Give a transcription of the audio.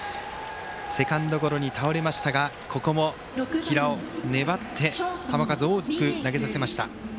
セカンドゴロに倒れましたがここも平尾粘って球数多く、投げさせました。